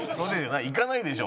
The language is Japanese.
行かないでしょ？